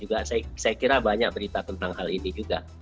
saya kira banyak berita tentang hal ini juga